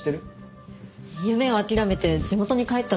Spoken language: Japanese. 夢を諦めて地元に帰ったとばかり。